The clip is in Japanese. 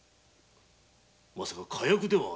まさか火薬では！？